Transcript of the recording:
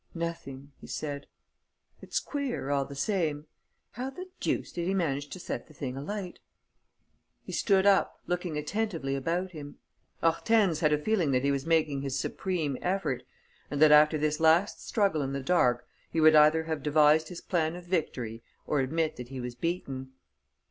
"Nothing," he said. "It's queer, all the same! How the deuce did he manage to set the thing alight?" He stood up, looking attentively about him. Hortense had a feeling that he was making his supreme effort and that, after this last struggle in the dark, he would either have devised his plan of victory or admit that he was beaten.